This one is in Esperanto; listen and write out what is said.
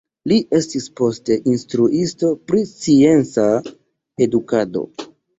Li estis poste instruisto pri scienca edukado.